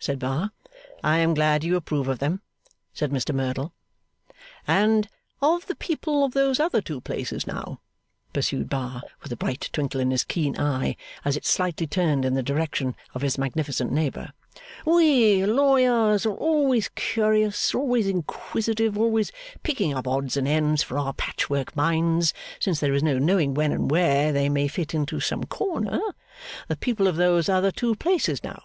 said Bar. 'I am glad you approve of them,' said Mr Merdle. 'And the people of those other two places, now,' pursued Bar, with a bright twinkle in his keen eye, as it slightly turned in the direction of his magnificent neighbour; 'we lawyers are always curious, always inquisitive, always picking up odds and ends for our patchwork minds, since there is no knowing when and where they may fit into some corner; the people of those other two places now?